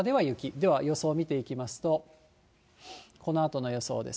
では予想見ていきますと、このあとの予想です。